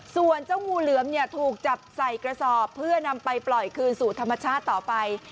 ส่วนเจ้างูเหลือมเนี่ยถูกจับใส่กระสอบเพื่อนำไปปล่อยคืนสู่ธรรมชาติต่อไป